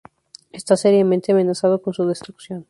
Está seriamente amenazado con su destrucción.